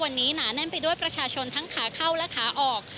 วันนี้หนาแน่นไปด้วยประชาชนทั้งขาเข้าและขาออก